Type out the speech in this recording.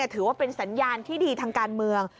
ถือว่าเป็นสัญญาณที่ดีทางการเมือง